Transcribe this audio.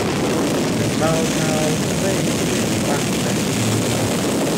A small child plays with a batman toy car